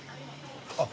あっ